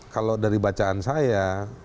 kalau dari bacaan saya